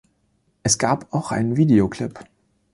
Es gab auch einen Videoclip.